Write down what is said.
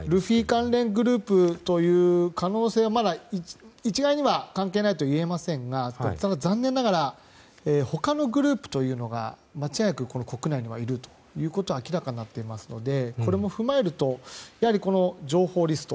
関連グループという可能性は一概には関係ないとは言えませんが残念ながら他のグループというのが間違いなく国内に入ることが明らかになっていますのでこれも踏まえるとやはり情報リスト